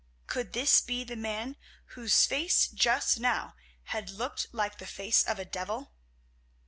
Could this be the man whose face just now had looked like the face of a devil?